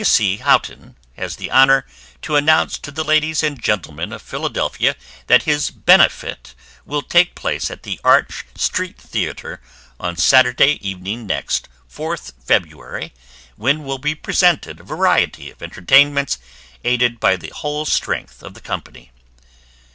W. C. Houghton, has the honor to announce to the ladies and gentlemen of Philadelphia, that his BENEFIT will take place at the ARCH STREET THEATRE, on Saturday evening next, 4th February, when will be presented a variety of entertainments aided by the whole strength of the company.